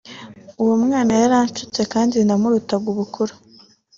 uwo mwana yaranshutse kandi namurutaga ubukuru